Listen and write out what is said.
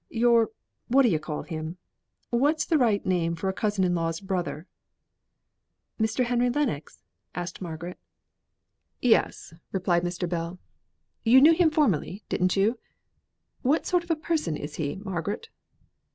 "Your what d'ye call him? What's the right name for a cousin in law's brother?" "Mr. Henry Lennox?" asked Margaret. "Yes," replied Mr. Bell. "You knew him formerly, didn't you? What sort of a person is he, Margaret?"